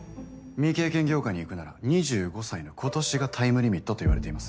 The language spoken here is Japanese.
未経験業界にいくなら２５歳の今年がタイムリミットといわれています。